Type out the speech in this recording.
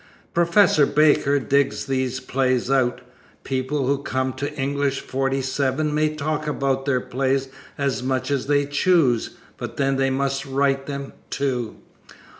Professor Baker digs these plays out. People who come to English 47 may talk about their plays as much as they choose, but they must write them, too.